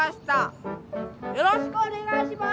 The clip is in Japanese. よろしくお願いします。